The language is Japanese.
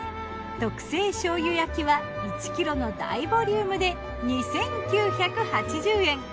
特製醤油焼きは１ｋｇの大ボリュームで２，９８０円。